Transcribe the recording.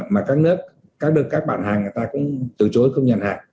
mà các nước các đơn các bạn hàng người ta cũng từ chối không nhận hàng